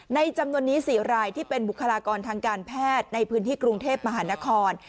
จำนวนนี้๔รายที่เป็นบุคลากรทางการแพทย์ในพื้นที่กรุงเทพมหานคร